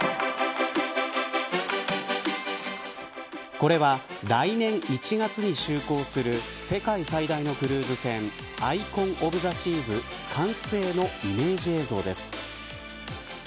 これは、来年１月に就航する世界最大のクルーズ船アイコン・オブ・ザ・シーズ完成のイメージ映像です。